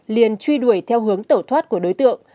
liên truy đuổi theo hướng tổ thoát của đối tượng